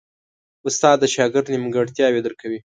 استاد د شاګرد نیمګړتیاوې درک کوي.